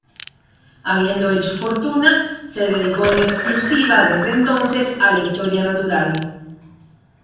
Habiendo hecho fortuna, se dedicó en exclusiva desde entonces a la historia natural.